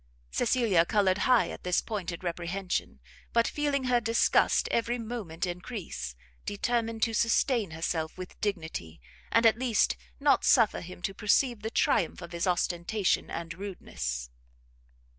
Cecilia coloured high at this pointed reprehension; but feeling her disgust every moment encrease, determined to sustain herself with dignity, and at least not suffer him to perceive the triumph of his ostentation and rudeness.